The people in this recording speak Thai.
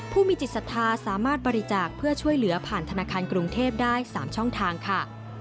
ผู้มีจิตศรัทธาสามารถบริจาคเพื่อช่วยเหลือผ่านธนาคารกรุงเทพได้๓ช่องทางค่ะ